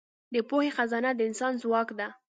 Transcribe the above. د پوهې خزانه د انسان ځواک ده.